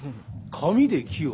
紙で木を？